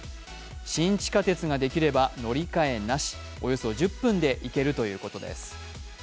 新地下鉄ができれば乗り換えなし、およそ１０分で行けるということです。